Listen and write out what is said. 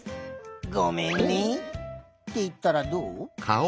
「ごめんね」っていったらどう？